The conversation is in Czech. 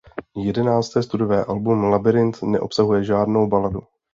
Jedenácté studiové album Labyrint neobsahuje žádnou baladu.